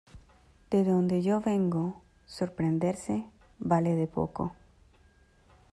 de donde yo vengo sorprenderse vale de poco.